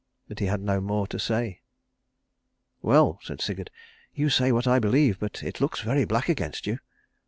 But he had no more to say. "Well," said Sigurd, "you say what I believe, but it looks very black against you."